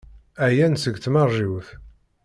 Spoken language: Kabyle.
Ɛyan seg tmeṛjiwt.